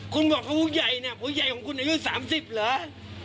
คุณบอกเขาผู้ใหญ่เนี่ยผู้ใหญ่ของคุณอายุ๓๐เหรอ